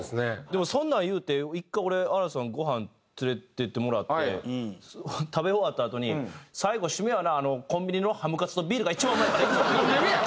でもそんなん言うて１回俺新太さんにごはん連れて行ってもらって食べ終わったあとに「最後締めはなコンビニのハムカツとビールが一番うまいから」。